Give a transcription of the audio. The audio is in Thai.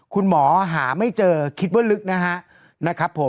คุณหมอหาไม่เจอคิดว่าลึกนะฮะ